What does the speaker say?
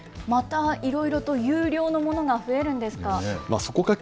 また、いろいろと有料のものが増えるんですか？